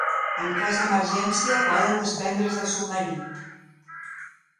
En cas d'emergència poden despendre's del submarí.